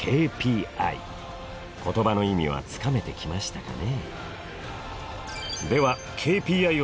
言葉の意味はつかめてきましたかね？